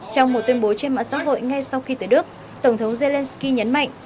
trong một tuyên bố trên mạng xã hội ngay sau khi tới đức tổng thống zelensky nhấn mạnh